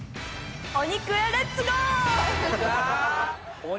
お肉へレッツゴー！